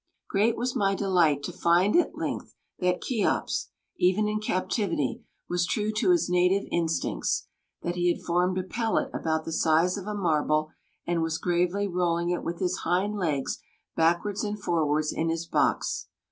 Great was my delight to find at length that Cheops even in captivity was true to his native instincts, that he had formed a pellet about the size of a marble and was gravely rolling it with his hind legs backwards and forwards in his box.